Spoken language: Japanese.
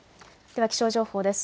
では気象情報です。